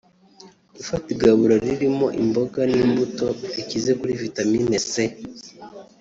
Gufata igaburo ririmo imboga n’imbuto (rikize kuri Vitamine C